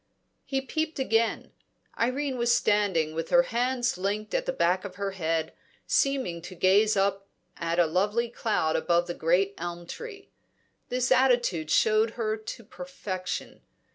He peeped again. Irene was standing with her hands linked at the back of her head, seeming to gaze at a lovely cloud above the great elm tree. This attitude showed her to perfection.